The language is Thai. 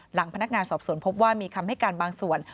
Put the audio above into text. หลังพนักงานสอบสวนพบว่ามีคำให้การบางส่วน